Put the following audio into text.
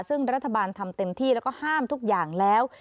ซึ่งรัฐบาลทำเต็มที่แล้วก็ห้ามทุกอย่างแล้ว